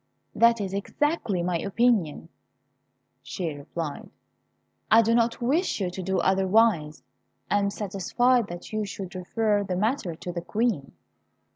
"That is exactly my opinion," she replied; "I do not wish you to do otherwise; I am satisfied that you should refer the matter to the Queen."